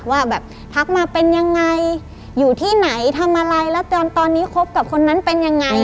ว่าแบบทักมาเป็นยังไงอยู่ที่ไหนทำอะไรแล้วจนตอนนี้คบกับคนนั้นเป็นยังไง